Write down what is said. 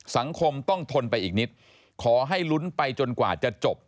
สังคมต้องทนไปอีกนิดขอให้ลุ้นไปจนกว่าจะจบ